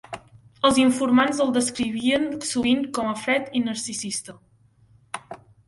"Els informants el descrivien sovint com a fred i narcisista."